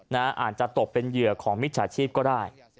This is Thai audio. อาจจะตกเป็นเหยื่อของมิจฉาชีพก็ได้